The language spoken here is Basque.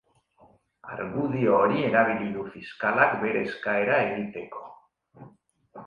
Argudio hori erabili du fiskalak bere eskaera egiteko.